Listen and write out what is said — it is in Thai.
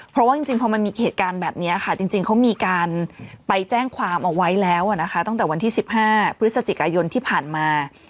เพราะว่าจริงพอมันมีเหตุการณ์แบบนี้ค่ะจริงเขามีการไปแจ้งความเอาไว้แล้วนะคะตั้งแต่วันที่๑๕พฤศจิกายนที่ผ่านมา